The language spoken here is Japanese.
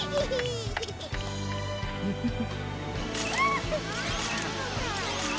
フフフ。